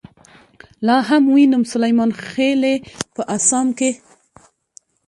لاهم وينم سليمانخيلې په اسام کې